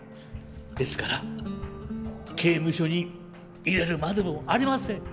ですから刑務所に入れるまでもありません。